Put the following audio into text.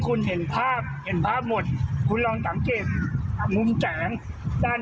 คุณเห็นภาพเห็นภาพหมดคุณลองสังเกตมุมแสงด้าน